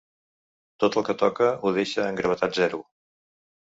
Tot el que toca ho deixa en gravetat zero.